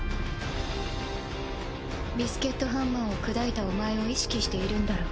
ビスケットハンマーを砕いたお前を意識しているんだろう。